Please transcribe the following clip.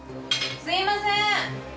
・すいません！